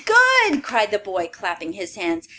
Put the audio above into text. Good!" cried the boy, clapping his hands.